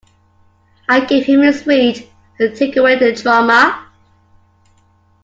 I gave him a sweet, to take away the trauma.